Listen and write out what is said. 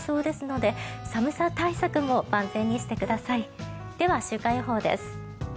では、週間予報です。